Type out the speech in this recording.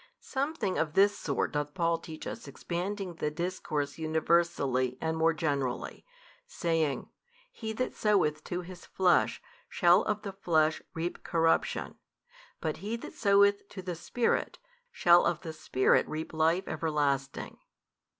Something of this sort doth Paul teach us expanding the discourse universally and more generally, saying, He that soweth to his flesh shall of the flesh reap corruption, but he that soiveth to the Spirit shall of the Spirit reap life |346 everlasting.